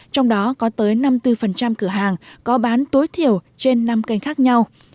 trong đó có tới năm mươi bốn cửa hàng có bán tối thiểu trên năm kênh khác nhau